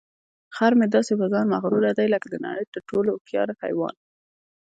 خر مې داسې په ځان مغروره دی لکه د نړۍ تر ټولو هوښیار حیوان.